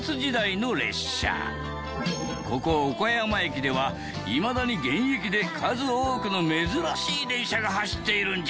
ここ岡山駅ではいまだに現役で数多くの珍しい列車が走っているんじゃ。